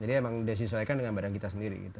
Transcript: tapi emang disesuaikan dengan badan kita sendiri gitu